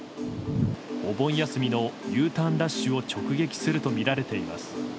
お盆休みのＵターンラッシュを直撃するとみられています。